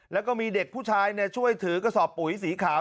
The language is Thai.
แล้วก็มีเด็กผู้ชายช่วยถือกระสอบปุ๋ยสีขาว